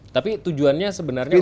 tapi tujuannya sebenarnya untuk